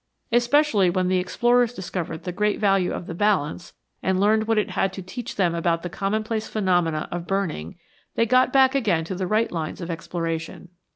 Especially when the explorers discovered the great value of the balance and learned what it had to teach them about the commonplace phenomena of burn ing, they got back again to the right lines of exploration.